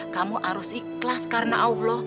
kamu harus ikhlas karena allah